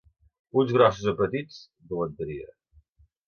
Ulls grossos o petits, dolenteria.